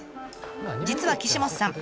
実は岸本さん